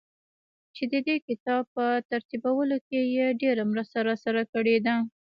چي ددې کتاب په ترتيبولو کې يې ډېره مرسته راسره کړې ده.